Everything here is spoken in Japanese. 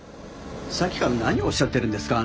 さっきから何をおっしゃってるんですか